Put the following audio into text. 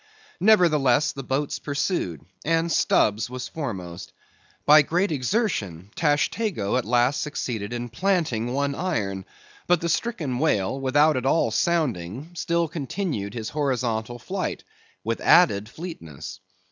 Nevertheless, the boats pursued, and Stubb's was foremost. By great exertion, Tashtego at last succeeded in planting one iron; but the stricken whale, without at all sounding, still continued his horizontal flight, with added fleetness.